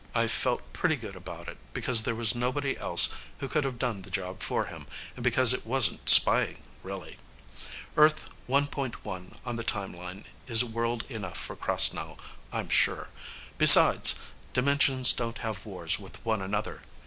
I felt pretty good about it, because there was nobody else who could have done the job for him, and because it wasn't spying, really. Earth One Point One on the Timeline is world enough for Krasnow, I'm sure. Besides, dimensions don't have wars with one another.